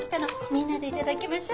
みんなでいただきましょう。